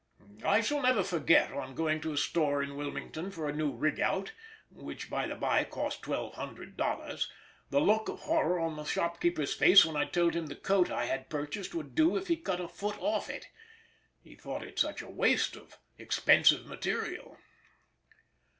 I shall never forget, on going to a store in Wilmington for a new rig out (which by the bye cost $1200), the look of horror on the storekeeper's face when I told him the coat I had purchased would do if he cut a foot off it: he thought it such a waste of expensive material.